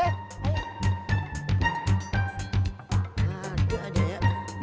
nah dia ada ya